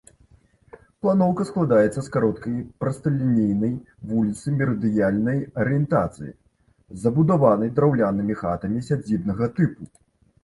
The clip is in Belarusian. Планоўка складаецца з кароткай прасталінейнай вуліцы мерыдыянальнай арыентацыі, забудаванай драўлянымі хатамі сядзібнага тыпу.